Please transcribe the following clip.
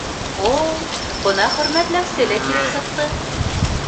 О, бына хөрмәтләүсе лә килеп сыҡты!